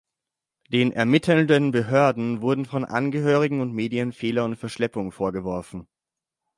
Den ermittelnden Behörden wurden von Angehörigen und Medien Fehler und Verschleppung vorgeworfen.